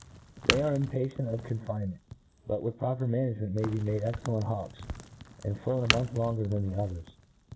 They are impatient of confine ment; but with proper management may be made excellent hawks, and flown a month long ' cr than the others.